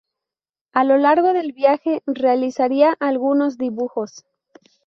A lo largo del viaje, realizaría algunos dibujos.